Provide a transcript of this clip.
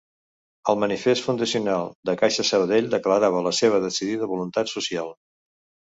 El manifest fundacional de Caixa Sabadell declarava la seva decidida voluntat social.